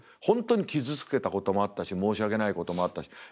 本当に傷つけたこともあったし申し訳ないこともあったし。